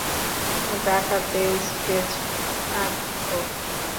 ডাকাতদের স্কেচ আঁকতো।